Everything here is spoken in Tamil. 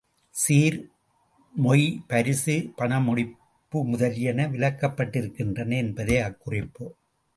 சீர், மொய் பரிசு பணமுடிப்பு முதலியன விலக்கப்பட்டிருக்கின்றன என்பதே அக் குறிப்பு.